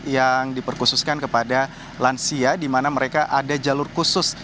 yang diperkhususkan kepada lansia di mana mereka ada jalur khusus